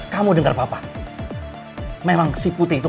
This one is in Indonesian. kamu denger papa memang si putri itu